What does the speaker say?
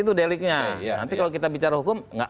itu deliknya nanti kalau kita bicara hukum